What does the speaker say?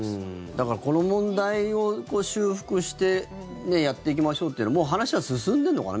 だからこの問題を修復してやっていきましょうというのはもう話は進んでるのかな？